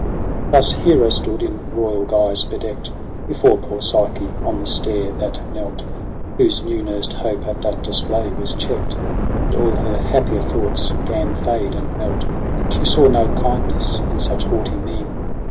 Thus Hera stood in royal guise bedeckt Before poor Psyche on the stair that knelt. Whose new nursed hope at that display was checkt, And all her happier thoughts gan fade and melt. She saw no kindness in such haughty mien.